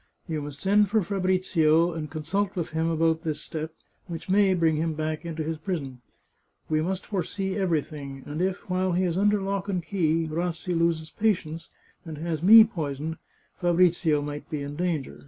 " You must send for Fabrizio, and consult with him 461 The Chartreuse of Parma about this step, which may bring him back into his prison. We must foresee everything, and if, while he is under lock and key, Rassi loses patience, and has me poisoned, Fabrizio might be in danger.